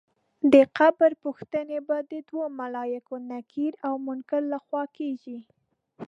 د قبر پوښتنې به د دوو ملایکو نکیر او منکر له خوا کېږي.